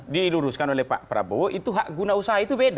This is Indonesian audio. diluruskan oleh pak prabowo itu hak guna usaha itu beda